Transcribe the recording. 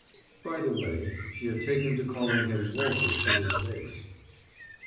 (By the way, she had taken to calling him Walter to his face.)